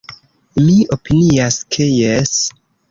Mi opinias ke jes.